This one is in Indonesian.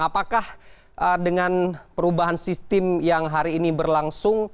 apakah dengan perubahan sistem yang hari ini berlangsung